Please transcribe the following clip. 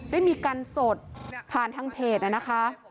ได้มีการสดผ่านทางเพจนะคะ